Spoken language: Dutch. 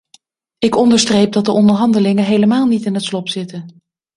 Ik onderstreep dat de onderhandelingen helemaal niet in het slop zitten.